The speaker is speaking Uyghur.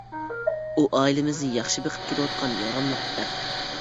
ئۇ ئائىلىمىزنى ياخشى بېقىپ كېلىۋاتقان ياراملىق ئەر.